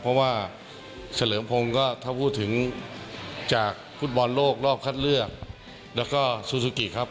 เพราะว่าเฉลิมพงศ์ก็ถ้าพูดถึงจากฟุตบอลโลกรอบคัดเลือกแล้วก็ซูซูกิครับ